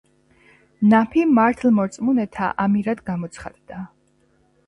ნაფი მართლმორწმუნეთა ამირად გამოცხადდა.